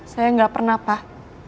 saya gak pernah pak